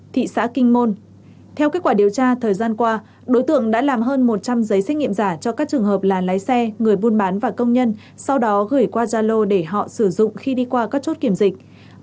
trong thời gian qua đối tượng đã làm hơn một trăm linh giấy xét nghiệm giả cho các trường hợp là lái xe người buôn bán và công nhân sau đó gửi qua gia lô để họ sử dụng khi đi qua các chốt kiểm dịch